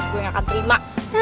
gue gak akan terima